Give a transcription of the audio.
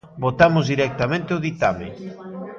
Votamos directamente o ditame.